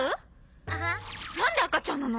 何で赤ちゃんなの？